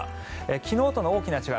昨日との大きな違い